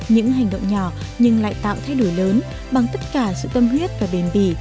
những hành động nhỏ nhưng lại tạo thay đổi lớn bằng tất cả sự tâm huyết và bền bỉ